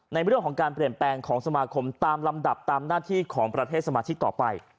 ในเรื่องของการเปลี่ยนแปลงของสมาคมตามลำดับตามหน้าที่ของประเทศสมาชิกต่อไป